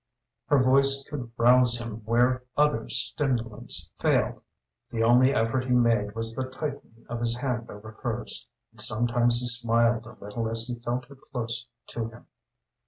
Her voice could rouse him where other stimulants failed; the only effort he made was the tightening of his hand over hers, and sometimes he smiled a little as he felt her close to him.